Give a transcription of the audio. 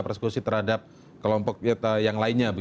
persekusi terhadap kelompok yang lainnya